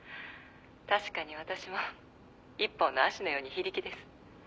「確かに私も一本の葦のように非力です」